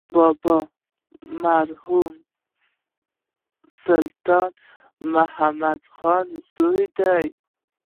بابا د مرحوم سلطان محمد خان زوی دی.